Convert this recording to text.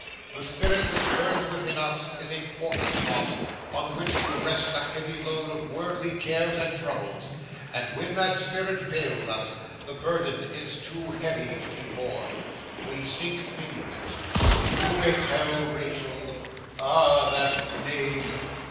The spirit which burns within us, is a porter's knot, on which to rest the heavy load of worldly cares and troubles; and when that spirit fails us, the burden is too heavy to be borne. We sink beneath it. You may tell Rachael Ah, that name!